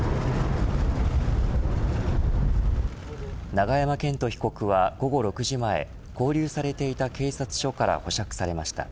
永山絢斗被告は午後６時前勾留されていた警察署から保釈されました。